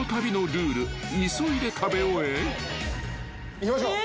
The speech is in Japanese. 行きましょう。